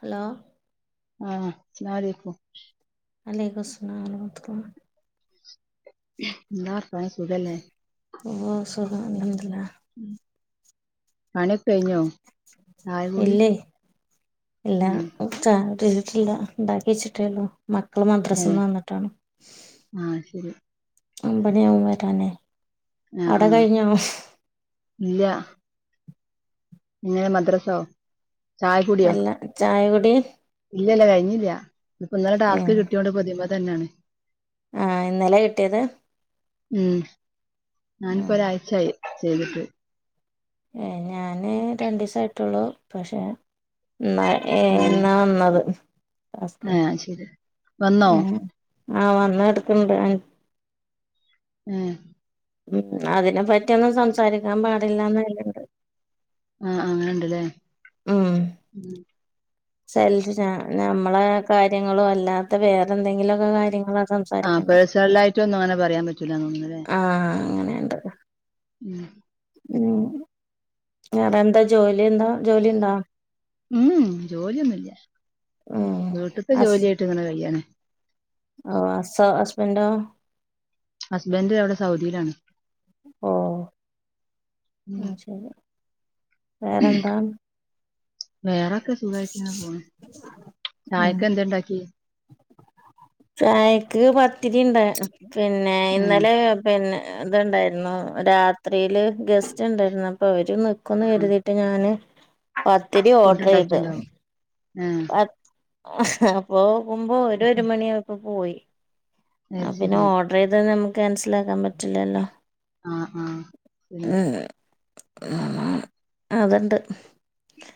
Hello. ആഹ്‌ അസ് ലാമു അലൈയ്ക്കും. വലൈക്കുംസ്‌ലാം വറഹ്‌മത്തുള്ളാഹ്‌. ന്താ വർത്താനം സുഖല്ലെ? ഓഹ്‌ സുഖാണ് അൽഹംദ്ദുരില്ലാ. ഉം. പണിക്കൊ കയ്ഞ്ഞോ ചായ കുടി ഇല്ലേ ഇല്ല ഉം. ചായ [unintelligible] ല്ലാ ണ്ടാക്കിവെച്ചിട്ടെള്ളൂ. മക്കള് ഏഹ് മദ്രസ്ന്ന് വന്ന്ട്ടാണ് ആഹ് ശരി ഒമ്പണി ആവും വരാനയ്. ആഹ് ആഹ് ഇല്ല. പിന്നെ മദ്രസോ? ചായ കുടിയോ അല്ല ചായ കുടി ഇല്ലല്ല കഴിഞ്ഞില്ല ഇന്ന്പ്പൊ ഇന്നലെ ഏ ടാസ്ക് കിട്ടിയോണ്ട് പ്പൊ ഇതിമ്മെ തന്നേണ്. ആഹ് ഇന്നലെ കിട്ടിയത്? ഉം ഞാനിപ്പോ ഉം ഒരാഴ്ചായി ചെയ്തിട്ട്. ഏഹ് ഞാന് രണ്ടീസായിട്ടോള്ളു പക്ഷെ ഇന്ന് ഏഹ്‌ ആഹ് ഇന്നാ വന്നത് ഹസ്ബൻഡ് ആഹ് ശരി വന്നോ അങ്ങനേ ആഹ് വന്ന് കടക്ക്ണ്ട് ഉം. ഉം അതിനെ പറ്റിയൊന്നും സംസാരിക്കാം പാടില്ലാന്ന് അയ്ല്ണ്ട്. ആഹ് അങ്ങനെണ്ട്ലെ ഉം. സെൽഫിശോ നമ്മളെ കാര്യങ്ങളോ അല്ലാത്ത വേറെന്തെങ്കിലൊക്കെ കാര്യങ്ങളെ ആഹ് സംസാരിക്കണ്ട പേഴ്സണലായിട്ടൊന്നും അങ്ങനെ പറയാൻ പറ്റൂലാന്ന് തോന്നുന്നുല്ലേ ആഹ്‌ അങ്ങനേണ്. ഉം. ഉം വേറെ എന്താ ജോലി എന്താ ജോലിണ്ടോ? ഉം ജോലിയൊന്നുല്ല്യാ ഉം വീട്ട്ത്തെ ഹസ് ജോലിയായിട്ട് ഇങ്ങനെ കയ്യ്ന്നെ. ഓ അസ്സൊ ഹസ്ബെൻഡേ? ഹസ്ബൻഡ് അവടെ സൗധീലാണ്. ഓഹ് ഉം ശരി വേറെന്താ? വേറെക്കെ സുഖായിട്ട്ങ്ങനേ പോണ് ഉം ചായക്ക് എന്തേ ണ്ടാക്കി? ചായക്ക് പത്തിരി ണ്ട് പിന്നെ ഏ ഇന്നലെ പിന്നെ ഇതുണ്ടായിരുന്നു രാത്രിയില് ഗസ്റ്റ് ണ്ടായിരുന്നു അപ്പൊ അവര് ന് ക്കുംന്ന് ആ കര്തീട്ട് ഞാന് പത്തിരി ഓഡ്റീതൂ. ആഹ്. അപ്പോ നോക്കുമ്പോ അവര് ഒരു മണിയായപ്പോ പോയി. അപ്പൊ അത് പിന്നെ ശരി ഓഡ്റീതാ ഞമ്മക്ക് ക്യാൻസലാക്കാൻ പറ്റില്ലല്ലോ. ആ ആ പിന്നെ ഉം അതുണ്ട്.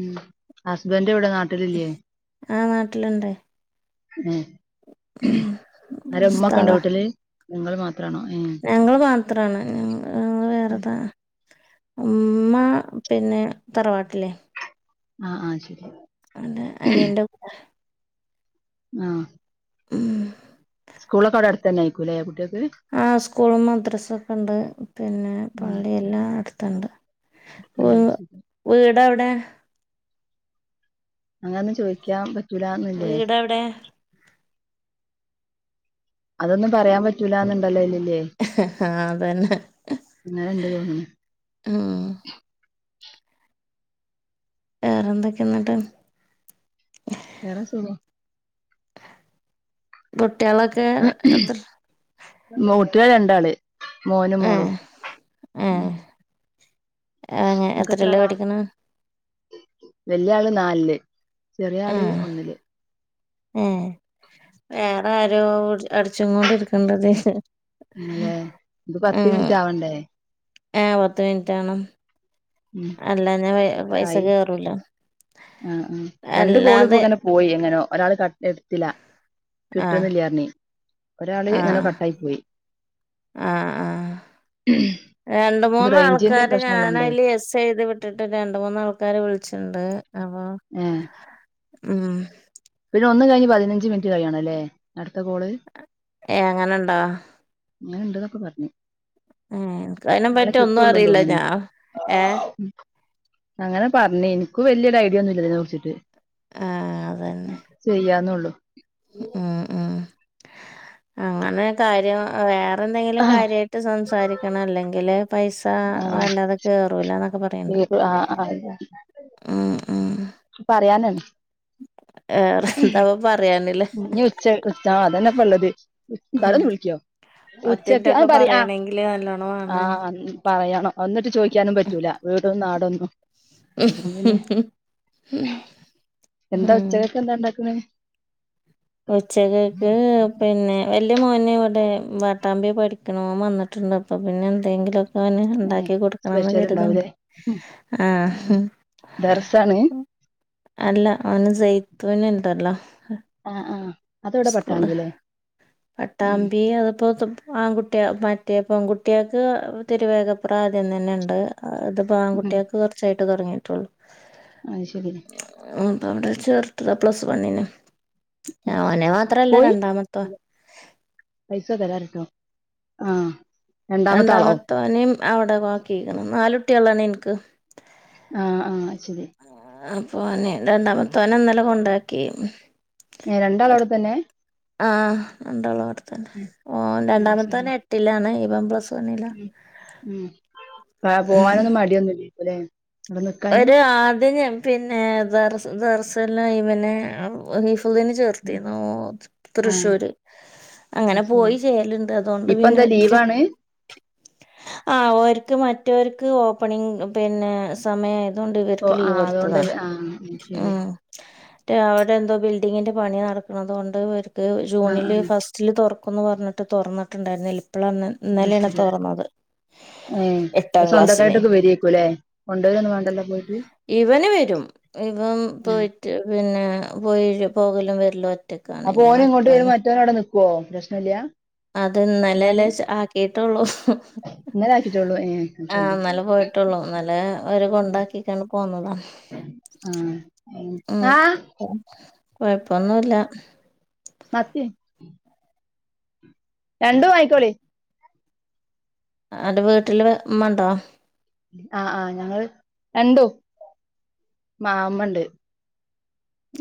ഉം ഹസ്ബൻഡ് ഇവടെ നാ ആഹ് നാട്ടില്ണ്ടയ്. ഉം ആരാ ഉമ്മ ഒക്കെ ഉണ്ടോ ഉസ്താദാ വീട്ടില്? ഇങ്ങള് മാത്രണോ ഏഹ്. ഞങ്ങള് മാത്രാണ് ഞങ്ങള് ഉം. വേറെതാ ഉമ്മ പിന്നെ തറവാട്ടില് ആഹ് ആഹ് ശരി [unintelligible] അനിയന്റെ കൂടെ ആഹ് മ്ഹ് സ്കൂളൊക്കെ അവിടെ അടുത്ത് തന്നെ ആയിരിക്കൂല്ലേ കുട്ട്യക്ക് ആഹ് സ്കൂളും മദ്രസൊക്കെ ഉണ്ട് പിന്നെ ഉം പള്ളിയെല്ലാം അടുത്തൊണ്ട് [unintelligible] വീട് എവിടെ അങ്ങനൊന്നും ചോദിക്കാൻ പറ്റൂലാന്ന് ഇല്ലേ എവിടെ അതൊന്നും പറയാൻ പറ്റൂലാന്ന് ഒണ്ടല്ലോ അയിലില്ലേ ആഹ് അതന്ന അങ്ങനെ ഉണ്ട് തോന്നണ് മ്ഹ് വേറെന്തൊക്കെയാ എന്നിട്ട് വേറെ സുഖം കുട്ട്യളൊക്കെ എത്ര മ് കുട്ട്യള് രണ്ടാള് മോനും മോളും ആഹ് ഉം [unintelligible] നിങ്ങക്ക് എത്ര എത്രെലാ ആളാ പഠിക്കണ വല്യ ആള് നാലില് ചെറിയ ആള് ആഹ് ഒന്നില് ഏഹ് വേറെ ആരോ അടിച്ചും കൊണ്ട് ഇരിക്കേണ്ടത് [unintelligible] ഇത് പത്ത് മിനിറ്റ് ആവണ്ടേ ആഹ് പത്ത് മിനിറ്റ് ആണ് ഉം അല്ലാഞ്ഞേ പൈ എത്ര പൈസ ആയി കേറൂല ആഹ് ആഹ് രണ്ട് കോള് ഇപ്പൊ അല്ലാതെ ഇങ്ങനെ പോയി എങ്ങനോ ഒരാള് കട്ടെയ്ത് [unintelligible] ആഹ് കിട്ടുന്നില്ല പറഞ്ഞ് ഒരാള് ഇങ്ങനെ ആഹ് കട്ടായി പോയി ആഹ് ആഹ് ഇത് റേയ്ഞ്ചിന്റെ പ്രശ്നൊള്ളോണ്ടേ [unintelligible] ട്ടിട്ട് രണ്ട് മൂന്ന് ആൾക്കാര് വിളിച്ചിണ്ട് അപ്പൊ ഏഹ് ഉം പിന്നെ ഒന്ന് കഴിഞ്ഞ് പതിനഞ്ച് മിനിറ്റ് കഴിയണല്ലേ അടുത്ത കോള് ഏഹ് അങ്ങനെണ്ടോ അങ്ങനെ ഉണ്ട്ന്നൊക്കെ പറഞ്ഞ് ഉം എനിക്ക് അയിനെ പറ്റി ഒന്നും അറിയില്ല തോന്ന്ണ് ഞാൻ ഏഹ് അങ്ങനെ പറഞ്ഞ് എനിക്ക് വല്യൊരു ഐഡിയ ഒന്നുമില്ല ഇതിനെ കുറിച്ചിട്ട് ആഹ് അതന്നെ ചെയ്യാന്നേ ഉള്ളൂ ഉം ഉം അങ്ങനെ കാര്യം വേറെ എന്തെങ്കിലും ആഹ് കാര്യാ യിട്ട് സംസാരിക്കണം അല്ലെങ്കില് പൈസ് [unintelligible] ആഹ് അല്ലാതെ കേറൂലാന്നൊക്കെ പറയ്ണ്ട് ഉം ഉം പറയാന് വേറെ എന്താപ്പൊ പറയാന് ഇനി ഉച്ച ഉച്ച അതന്നെ ഇപ്പേ ഉള്ളത് ഉം [unintelligible] വിളിക്കോ ഉച്ചക്ക് ആഹ് പത്തിൻറ്റൊക്കെ പറയാ പറയണെങ്കില് നല്ലോണം വാണേ ആഹ് ആഹ് അൻ പറയണം എന്നിട്ട് ചോദിക്കാനും പറ്റൂല വീട നാടൊന്നും അത് കെണ്ടെന്നെ എന്താ ഉം ഉച്ചകൊക്കെ എന്താ ഉണ്ടാക്കുന്ന ഉച്ചക്കക്ക് പിന്നെ വല്യ മോന് ഇവിടെ പട്ടാമ്പി പഠിക്കണെന്ന് ഓം വന്നിട്ടുണ്ട് അപ്പൾ പിന്നെ എന്തെങ്കിലും അവന്ന് ഉണ്ടാക്കി കൊടുക്കണംന്ന് സ്പെഷ്യൽ കരുത്ണ്ട് ഉണ്ടാവൂലേ ഉം ആഹ് ദർസാണ് അല്ല ഓന് സൈത്തൂൻ ഇണ്ടല്ലോ ആഹ് ആഹ് അതെവിടെ പട്ടാമ്പി അല്ലേ പട്ടാമ്പി അതിപ്പോ ആൺകുട്ടിയ മറ്റേ പെൺകുട്ടികൾക്ക് തിരുവേഗപ്ര ആദ്യം തന്നെ ഉണ്ട് അത് ഇപ്പ ഉം ആൺകുട്ടികൾക്ക് കുറച്ചായിട്ട് തുടങ്ങിയിട്ടുള്ളൂ അയ് ശരി അപ്പം അവിടെ ചേർത്തതാ പ്ലസ് വണ്ണിന് അവനെ മാത്രമല്ല പോയി രണ്ടാമത്തോ പൈസ തരാ പറിട്ടോ ആഹ് രണ്ടാമത്തേനെയും അവിടെ ആക്കിക്ണ് നാലുട്ടിളാണ് എനിക്ക് ആഹ് ആഹ് അയ് ശരി അപ്പ അവനെ രണ്ടാമത്തേനെ ഇന്നലെ കൊണ്ടാക്കി ഏഹ് രണ്ടാളും അവിടെ തന്നെ ആ രണ്ടാളുംഅവിടെതന്നെ ഓൻ ആ രണ്ടാമത്തെ ശരി ഓന് എട്ടിലാണ് ഇവൻ പ്ലസ് വണ്ണ് ഉം ഉം പോകാനൊന്നും മടിയൊന്നുമില്ലല്ലെ ഒരു ആദ്യം പിന്നെ ദർസ് ദർസ് ല് ആയി പിന്നെ ഹിഫ്ളിന് ചേർ ത്തി ആ തൃശ്ശൂര് അത് അങ്ങനെ ശരി പോയി ചേലുണ്ട് അതുകൊണ്ട് ഇപ്പ പിന്നെ എന്താ ലീവാണ് ആ ഓർക്ക് മറ്റോർക്ക് ഓപ്പണിംഗ് പിന്നെ സ് സമയം ആയതൊണ്ട് ഓ ഇവർക്ക് ലീവ് ആഹ് അതുകൊണ്ട് കൊടുത്തതാണ് ആഹ് അത് ശരി ഉം അവിടെ എന്തോ ബിൽഡിങ്ങിന്റെ പണി നടക്ക്ണത് കൊണ്ട് അവർക്ക് ആഹ് ജൂണില് ആഹ് ഫസ്റ്റ് ല് തുറക്കുംന്ന് പറഞ്ഞിട്ട് തുറന്നിട്ടുണ്ടായിരുന്നില്ല ഇപ്പളാന്ന് അത് ഇന്നലെയാണ് ശരി തുറന്നത് ഏഹ് എട്ടാം ക്ലാസ്സിന് സ്വന്തക്കായിട്ടൊക്കെ വരേക്കുല്ലേ കൊണ്ടോരൊന്നും വേണ്ടല്ല പോയിട്ട് ഇവന് വരും ഇവൻ ഉം പോയിട്ട് പിന്നെ പോയി പോകലും വരില്ലോ അപ്പൊ ഓന് ഇങ്ങോട്ട് വരും മറ്റോന് അവിടെ നിക്കുവോ പ്രശ്നം ഇല്ല അത് ഇന്നലല്ലേ ആക്കിട്ടുള്ളൂ ഇന്നലെ ആക്കിട്ടോള്ളൂ ഏഹ് ആ ശ്രദ്ധിച്ചില്ല ഇന്നലെ പോയിട്ടുള്ളൂ ഇന്നലെ ഓരെ കൊണ്ടാക്കികാണ്ട് പോന്നതാ ആഹ് ഉം ആഹ് കൊഴപ്പൊന്നുല്ല മത്തി രണ്ടും വായിക്കോളി അടെ വീട്ടില് ഇമ്മണ്ടോ ആഹ് ആഹ് ഞങ്ങള് രണ്ടും മാ ഇമ്മണ്ട്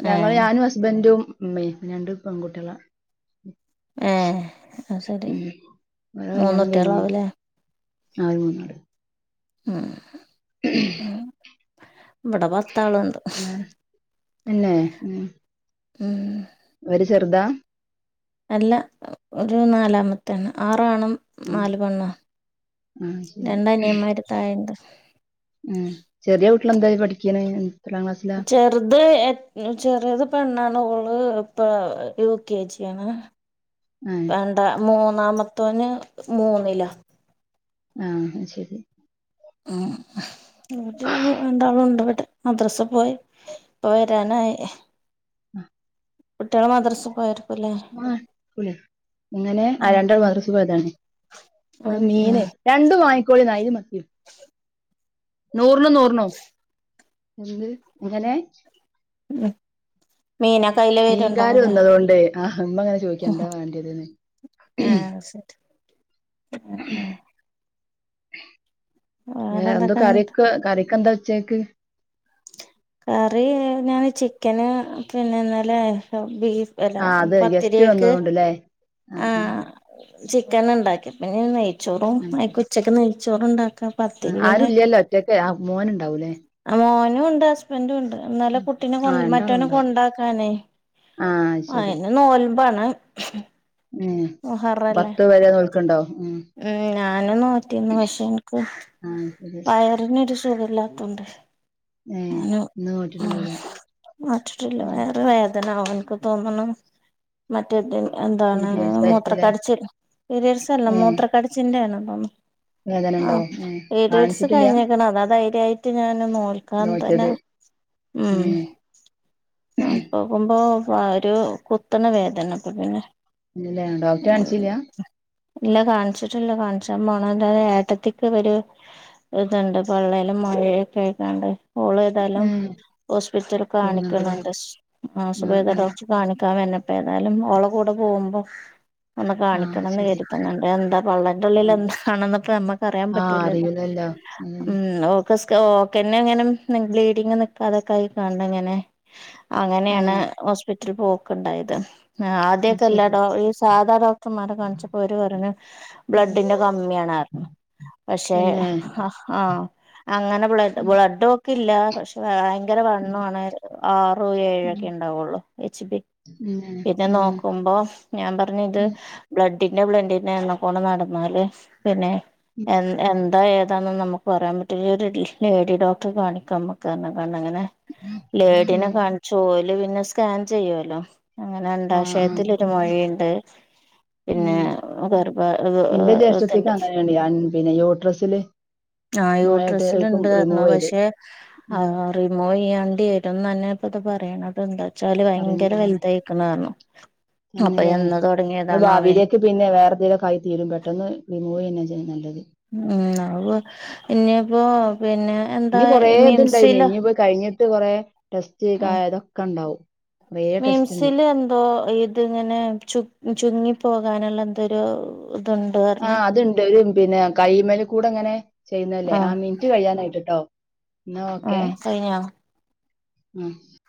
ഞങ്ങള് ഏഹ് ഞാനും ഹസ്ബൻഡും ഉമ്മയും രണ്ട് പെൺകുട്ടികള ഏഹ് അത് ശരി. ഉം വേറെ മൂന്ന് കല്യാണം കഴിഞ്ഞു കുട്ടികളാവൂലേ? [unintelligible] ഉം [inaudible] ഉം. ഇവിടെ പത്താളുണ്ട് വേറെ തന്നെ ഉം ഇവര് ചെറുതാ അല്ല ഓരു നാലാമത്താണ് ആറാണും ആഹ് നാല് പെണ്ണാ ആഹ് ശരി രണ്ടനിയമ്മാര് താഴെണ്ട് ഉം ചെറിയ കുട്ടികള് എന്തായി പഠിക്ക്‌ണ് ചെ റുത് എ ചെറെത് പെണ്ണാണ് ഓള് ഇപ്പം യു കെ ജി ആണ് ആഹ് രണ്ടാ മൂന്നാമത്തോന് മൂന്നില ആ അയ് ശരി ഉം ഓര് രണ്ടാളും ഉണ്ടിവടെ മദ്രസേ പോയി ഇപ്പൊ വരാനായി ആ കുട്ട്യേള് മദ്രസ് പോയോര് മ്മാ വിളി ഇങ്ങനെ ആ ഉം രണ്ടാളും മദ്രസ് പോയതാണ് ഇവടെ ഉം ഉം മീനേ രണ്ടും വാങ്ങിക്കോളിന്നാ അയിലിം മത്തീം നൂറിനും നൂറിനും എന്ത് എങ്ങനെ? ഉം മീനൊക്കെ അയ്ലെ വെരുണ്ടാവും ല്ലേ ആ ഹ ഇമ്മങ്ങനെ ചോയിക്ക എന്താ വേണ്ടിയേതെന്ന് [unintelligible] ഉം ആഹ് വേറെ എന്തോ കറിക്ക് കറിക്കെന്താ ഉച്ചേക്ക്? കറി ഞാൻ ചിക്കന് പിന്നെ ഇന്നലെ ബീഫ് എല ആഹ് അത് ഗസ്റ്റ് പത്തിരീക്ക് വന്നതുകൊണ്ടല്ലേ ആഹ് ആ ആഹ് ചിക്കന്ണ്ടാക്കി പിന്നെ നെയ്ച്ചോറും അയ്ക്ക്‌ ഉച്ചക്ക് നെയ്ച്ചോറ്ണ്ടാക്കാം ഉം ആരുല്ല്യല്ലോ ഒറ്റയ്ക്ക് ആ മോന് ഉണ്ടാവൂല്ലേ ആ മോനുണ്ട്, ഹസ്ബൻറുണ്ട്. ഇന്നലെ കുട്ടീനെ കൊണ്. ആഹ് മറ്റോനെ രണ്ടാളുണ്ടാവും കൊണ്ടാക്കാനേ ആഹ് അയിന്. ഇന്ന് നോൽമ്പാണ് ഉം മുഹറല്ലേ പത്ത് വരെ നോല്ക്കുണ്ടോ? ഉം ഉം ഞാനും നോറ്റിന്ന് പക്ഷെ ഇനിക്ക് ആഹ് ശരി വയറിനൊരു സുഖല്ലാത്തോണ്ട് ഏഹ് അനു ഇന്ന് ഉം നോറ്റിട്ടുണ്ടാവൂല മാറ്റിട്ടില്ല ഉം വയറു വേദന അവൻക്ക്, തോന്നണ്‌ മറ്റേത് എന്താണ്? പീരിയഡ്സ് ആയിരിക്കുംല്ലേ മൂത്രക്കടച്ചിൽ പിരിയഡ്‌സ് അല്ല ഏഹ് മൂത്രക്കടിച്ചിലിന്റെ ആണ് തോന്നു വേദന ആ ഉണ്ടോ ഏഹ് പിരിയഡ്‌സ് കാണിച്ചിട്ടില്ല കഴിഞ്ഞക്കണ് അതാ ധൈര്യായിട്ട് ഞാന് നോൽ ക്കാൻ തന്ന നോറ്റത് ഉം ഏഹ് അപ്പോക്കുമ്പോ പാ ഒരു കുത്തണ വേദന അപ്പൊ പിന്നെ. ഇല്ല ഡോക്ടറെ കാണിച്ചില്ല്യ ഇല്ല കാണ്ച്ചിട്ടില്ല കാണ്ച്ച പോണംല്ലാെ ഏട്ടത്തിക്ക് ഒരു ഇതുണ്ട് പള്ളേല് മൊഴയൊക്കെ ആയിക്കാണ്ട്.. ഓള് ഏതാലും ഏഹ് ഹോസ്പിറ്റൽ കാണിക്ക്‌ണ് പോവുന്നുണ്ട്ല്ലേ ണ്ട് ആ ആഹ് സുബൈദ ആഹ് ഡോക്ട കാണിക്കാം വരണം പ്പെ ഏതായാലും ഓള കൂടെ പോകുമ്പോ ഒന്ന് ആഹ് കാണിക്കണംന്ന് ശരി കരുതുണ് ണ്ട് എന്താ പള്ളന്റുള്ളിൽ ആഹ് എന്താണെന്ന് നമ്മക്ക് അറിയാൻ ആഹ് പറ്റൂലല്ലോ അറിയൂലല്ലോ അതന്നെ ഉം ഓക്... ക്കെ സ് ഓക്കന്നെങ്ങനെ ബ്ലീഡിങ്ങ് നിക്കാതെക്കായിക്കാണ്ടിങ്ങനെ അങ്ങനെയാണ് ഏഹ് ഹോസ്പിറ്റലിൽ പോക്കുണ്ടായത് ആ അത് ശരി തല്ലഡോ ഈ സാധാ ഡോക്ടർമാരെ കാണിച്ചപ്പോ ഓര് പറഞ്ഞു ഉം ബ്ലഡിന്റെ കമ്മിയാണ് പറഞ്ഞു പക്ഷെ തന്നെ ഹ ആ അങ്ങനെ ബ്ലഡ്.... ഉം ബ്ലഡോക്കില്ല പക്ഷെ ഭയങ്കര ഉം വണ്ണോ ആണ്. ആറും ഏഴും ഒക്കെ ഉണ്ടാവുള്ളൂ എച്ച് ബി ഉം ഉം ക്കുമ്പോ ഞാൻ പറഞ്ഞ് ഇത് ഉം ബ്ലഡിന്റെ ബ്ലഡിന്റെ എണ്ണക്കോണം നടന്നാല് പിന്നെ എ എന്താ ഏതാണെന്ന് നമുക്ക് പറയാൻ പറ്റിയില്ല ഒരു ടീ ലേഡി ഡോക്ടറെ കാണിക്കാം നമക്കന്ന് അങ്ങനെ ഉം ലേഡിനെ ഉം കാണിച്ചു ഓല് പിന്നെ സ്കാൻ ചെയ്യുവല്ലോ അങ്ങനെ ആഹ് അണ്ടാശയ ആഹ് ത്തിലൊരു മൊഴയുണ്ട് പിന്നെ ഉം ഇന്റെ ജ്യേഷ്ഠത്തിക്ക് ഗർഭത്തണ്ട് അങ്ങനെയാണ് അൻ പിന്നെ യൂട്രസില് ആഹ് മഴായിട്ട് ഇപ്പം യൂട്രസ്സിലണ്ട് റഞ്ഞു റിമൂവ് ചെയ്ത് പക്ഷെ ഉം ആഹ് റിമൂവ് ചെയ്യേണ്ടി വരുംന്ന് തന്നെ ഇപ്പ ഇത് പറയണത എന്താ വച്ചാല് ഭയങ്കര വലുതായിക്കണ കാരണം തന്നെല്ല അത് ഭാവിയിലെ പിന്നെ വേറെന്തെങ്കിലും ആയി തീരും പെട്ടെന്ന് റിമൂവ് ചെയ്യുന്ന നല്ലത് ഉം ആഹ് ഇന്നെപ്പോ ഇനി കൊറേ ഇതുണ്ടായി ഇനി ഇനിയിപ്പോ കഴിഞ്ഞിട്ട് കൊറെ ടെസ്റ്റ് കാ ഇതൊക്കെ ഇണ്ടാവും മിംസില എന്തോ ഇ ഇതിങ്ങനെ ചു ചുങ്ങി പോകാനുള്ള എന്തരു ആഹ് അതുണ്ട് ഒരു പിന്നെ കൈമ്മൽ കൂടെ അങ്ങനെ ചെയ്യുന്നല്ലേ ആ ആഹ് മിനിറ്റ് കഴിയാനായിട്ട്ട്ടോ എന്നാ ആഹ് കഴിഞ്ഞ ഉം